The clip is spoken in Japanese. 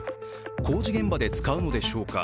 工事現場で使うのでしょうか